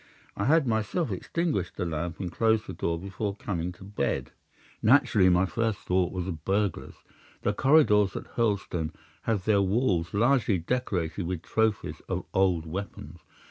I had myself extinguished the lamp and closed the door before coming to bed. Naturally my first thought was of burglars. The corridors at Hurlstone have their walls largely decorated with trophies of old weapons.